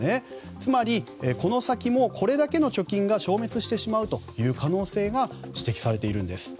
つまり、この先もこれだけの貯金が消滅してしまうという可能性が指摘されているんです。